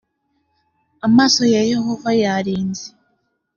amaso ya yehova yarinze